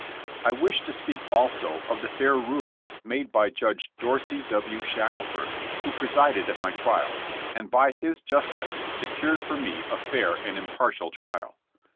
I wish to speak also of the fair rulings made by Judge Dorsey W. Shackleford, who presided at my trial, and by his justness secured for me a fair and impartial trial.